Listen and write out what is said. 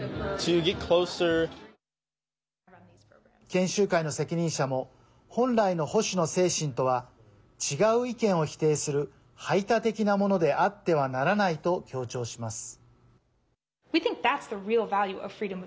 研修会の責任者も本来の保守の精神とは違う意見を否定する排他的なものであってはならないと強調します。